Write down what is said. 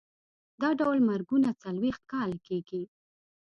دا ډول مرګونه څلوېښت کاله کېږي.